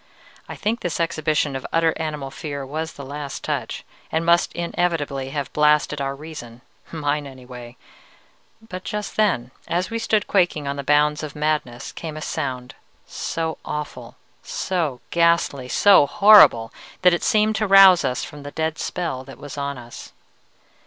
I think this exhibition of utter animal fear was the last touch, and must inevitably have blasted our reason mine anyway; but just then, as we stood quaking on the bounds of madness, came a sound, so awful, so ghastly, so horrible, that it seemed to rouse us from the dead spell that was on us.